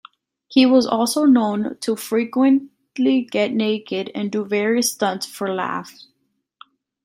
He was also known to frequently get naked and do various stunts for laughs.